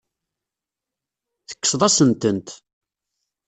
Tekkseḍ-asent-tent.